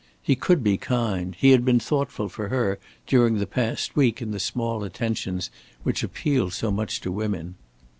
He could be kind. He had been thoughtful for her during the past week in the small attentions which appeal so much to women.